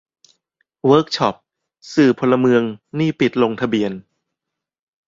เวิร์กช็อป "สื่อพลเมือง" นี่ ปิดลงทะเบียน